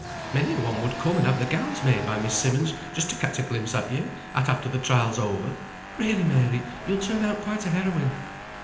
Many a one would come and have their gowns made by Miss Simmonds just to catch a glimpse at you, at after the trial's over. Really, Mary, you'll turn out quite a heroine."